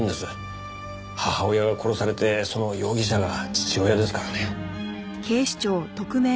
母親が殺されてその容疑者が父親ですからね。